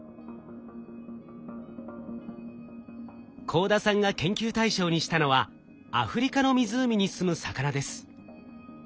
幸田さんが研究対象にしたのはアフリカの湖にすむ魚です。